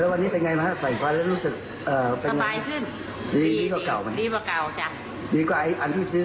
แล้ววันนี้เป็นไงมั้ยฝ่ายความรู้สึก